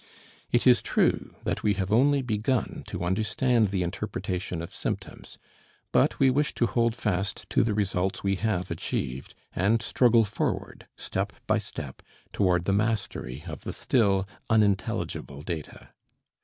It is true that we have only begun to understand the interpretation of symptoms, but we wish to hold fast to the results we have achieved, and struggle forward step by step toward the mastery of the still unintelligible data.